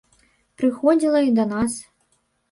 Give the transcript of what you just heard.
Прыходзіла і да нас.